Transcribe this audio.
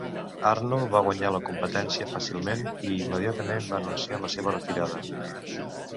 Arnold va guanyar la competència fàcilment i immediatament va anunciar la seva retirada.